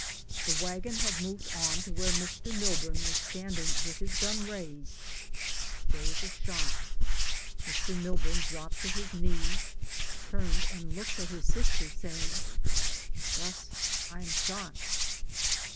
The wagon had moved on to where Mr. Milburn was stand ing with his gun raised; there was a shot, Mr. Milburn dropped to his knees, turned and looked at his sister, saying, "Gus. I am shot."